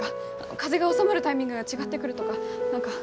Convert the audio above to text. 風が収まるタイミングが違ってくるとか何か。